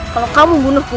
kalau kamu bunuhku